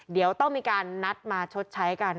เดี๋ยวต้องมีการนัดมาชดใช้กัน